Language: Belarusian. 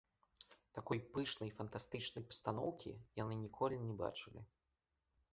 Такой пышнай фантастычнай пастаноўкі яны ніколі не бачылі.